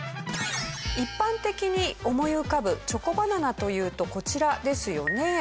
一般的に思い浮かぶチョコバナナというとこちらですよね。